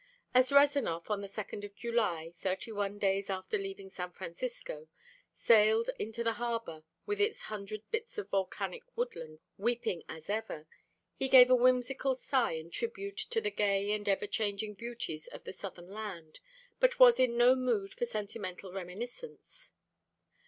As Rezanov, on the second of July, thirty one days after leaving San Francisco, sailed into the harbor with its hundred bits of volcanic woodland weeping as ever, he gave a whimsical sigh in tribute to the gay and ever changing beauties of the southern land, but was in no mood for sentimental reminiscence.